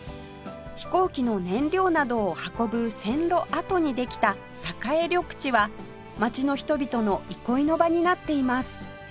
飛行機の燃料などを運ぶ線路跡にできた栄緑地は街の人々の憩いの場になっています